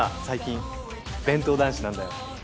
最近弁当男子なんだよ。